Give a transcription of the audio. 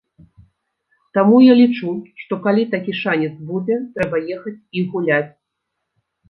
Таму я лічу, што калі такі шанец будзе, трэба ехаць і гуляць.